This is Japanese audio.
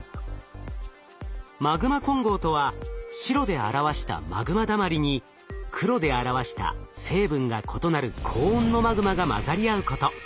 マグマ混合とは白で表したマグマだまりに黒で表した成分が異なる高温のマグマが混ざり合うこと。